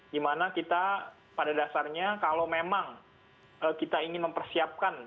dimana kita pada dasarnya kalau memang kita ingin mempersiapkan